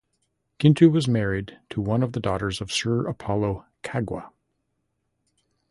Kintu was married to one of the daughters of Sir Apollo Kaggwa.